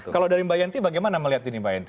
kalau dari mbak yenti bagaimana melihat ini mbak yanti